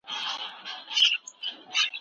موږ دا شکلونه نه رسموو.